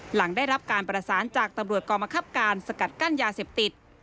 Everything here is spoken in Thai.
หลังได้รับการประสานจากตำรวจกรมคับการสกัดกั้นยาเสพติด